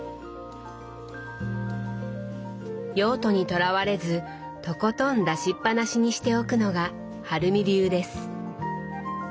用途にとらわれずとことん出しっぱなしにしておくのが春美流です。